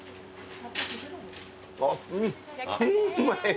あっうんうまい。